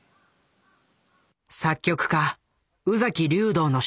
作曲家宇崎竜童の出発点。